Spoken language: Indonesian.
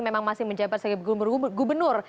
memang masih menjabat sebagai gubernur